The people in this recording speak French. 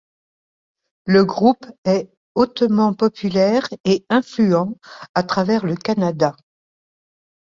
Le groupe est hautement populaire et influent à travers le Canada.